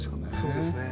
そうですね。